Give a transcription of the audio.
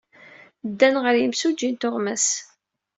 Ddan ɣer yimsujji n tuɣmas.